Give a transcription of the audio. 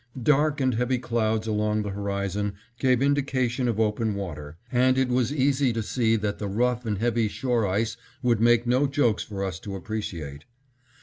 Dark and heavy clouds along the horizon gave indication of open water, and it was easy to see that the rough and heavy shore ice would make no jokes for us to appreciate.